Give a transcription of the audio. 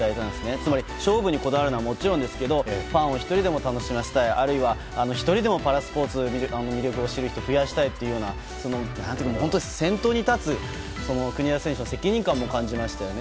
つまり勝負にこだわるのはもちろんですけどファンを１人でも楽しませたいあるいは１人でもパラスポーツの魅力を知る人を増やしたいという本当に先頭に立つ国枝選手の責任感も感じましたよね。